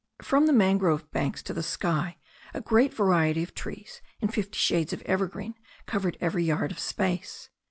From the man grove banks to the sky a great variety of trees in fifty shades of evergreen covered every yard of space.